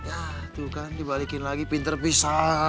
ya itu kan dibalikin lagi pinter pisah